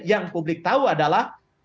yang publik tahu adalah